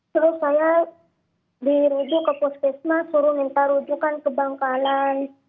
terus saya dirujuk ke puskesmas suruh minta rujukan ke bangkalan